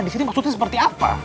di sini maksudnya seperti apa